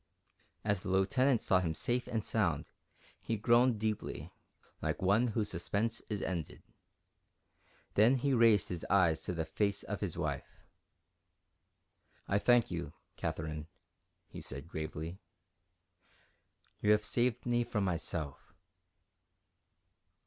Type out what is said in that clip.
As the Lieutenant saw him safe and sound, he groaned deeply, like one whose suspense is ended. Then he raised his eyes to the face of his wife. "I thank you, Katherine," he said, gravely; "you have saved me from myself."